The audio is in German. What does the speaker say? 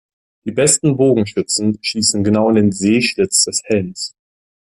Die besten Bogenschützen schießen genau in den Sehschlitz des Helms.